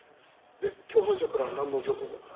で共犯者からはなんの情報も？